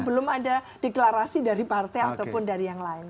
belum ada deklarasi dari partai ataupun dari yang lain